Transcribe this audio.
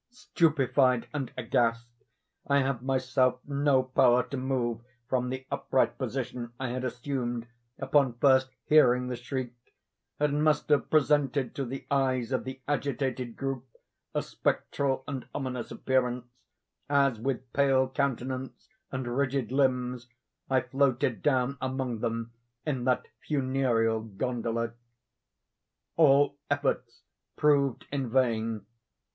Stupefied and aghast, I had myself no power to move from the upright position I had assumed upon first hearing the shriek, and must have presented to the eyes of the agitated group a spectral and ominous appearance, as with pale countenance and rigid limbs, I floated down among them in that funereal gondola. All efforts proved in vain.